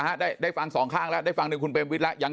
ครับนี่ล่ะได้ฟังสองข้างแล้วได้ฟังในคุณเบรมวิทย์แล้วยัง